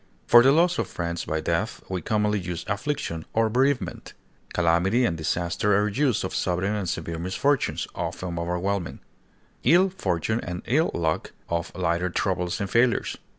For the loss of friends by death we commonly use affliction or bereavement. Calamity and disaster are used of sudden and severe misfortunes, often overwhelming; ill fortune and ill luck, of lighter troubles and failures.